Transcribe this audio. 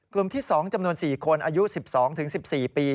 กลุ่มที่๒จำนวน๔คนอายุ๑๒๑๔ปี